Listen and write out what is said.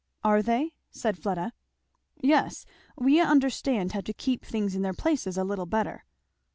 "Are they?" said Fleda. "Yes we understand how to keep things in their places a little better."